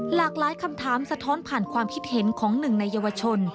หลากหลายคำถามสะท้อนผ่านความคิดเห็นของหนึ่งในเยาวชน